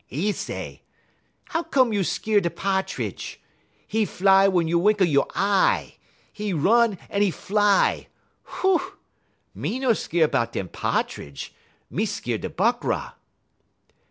'E say: "'How come you skeer da Pa'tridge? 'E fly wun you wink a you' eye; 'e run en 'e fly. Hoo! me no skeer 'bout dem Pa'tridge. Me skeer da Buckra.'